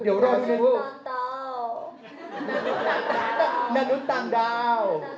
ยารุนตั้งเตา